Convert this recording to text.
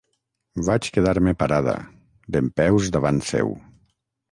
Vaig quedar-me parada, dempeus davant seu.